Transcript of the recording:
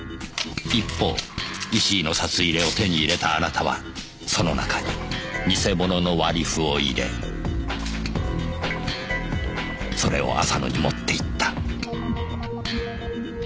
一方石井の札入れを手に入れたあなたはその中に偽物の割り符を入れそれを浅野に持って行った。